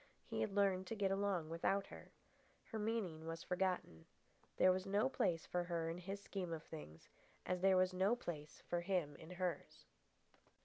He had learned to get along without her. Her meaning was forgotten. There was no place for her in his scheme of things, as there was no place for him in hers.